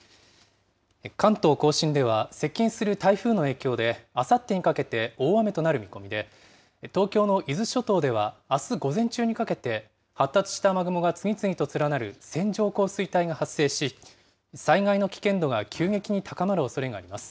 関東甲信では接近する台風の影響であさってにかけて大雨となる見込みで、東京の伊豆諸島ではあす午前中にかけて、発達した雨雲が次々と連なる線状降水帯が発生し、災害の危険度が急激に高まるおそれがあります。